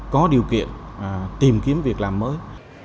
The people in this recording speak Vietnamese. có điều kiện tìm kiếm việc làm mới